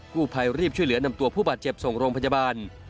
ผู้ภัยรีบช่วยเหลือนำตัวผู้บาดเจ็บส่งโรงพยาบาล